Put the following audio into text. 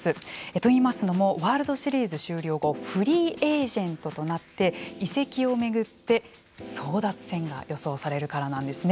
といいますのもワールドシリーズ終了後フリーエージェントとなって移籍を巡って争奪戦が予想されるからなんですね。